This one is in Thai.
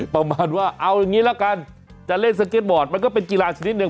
ประมาณว่าเอาอย่างนี้ละกันจะเล่นสเก็ตบอร์ดมันก็เป็นกีฬาชนิดหนึ่ง